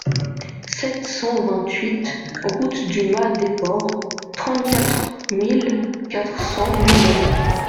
sept cent vingt-huit route du Mas Desport, trente-quatre mille quatre cents Lunel